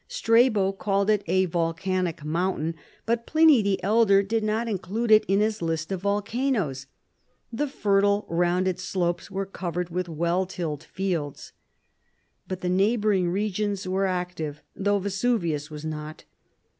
Strabo called it a volcanic mountain, but Pliny the elder did not include it in his list of volcanoes. The fertile, rounded slopes were covered with well tilled fields. But the neighboring regions were active, though Vesuvius was not.